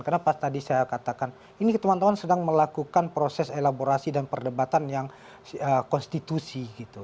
karena pas tadi saya katakan ini teman teman sedang melakukan proses elaborasi dan perdebatan yang konstitusi gitu